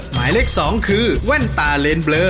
หมายเลข๒คือแว่นตาเลนเบลอ